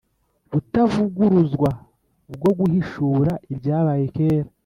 butavuguruzwa, bwo guhishura ibyabaye kera,